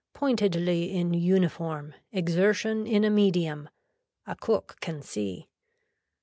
Pointedly in uniform, exertion in a medium. A cook can see.